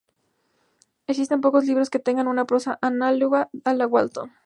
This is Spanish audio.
Existen pocos libros que tengan una prosa análoga a la de Walton.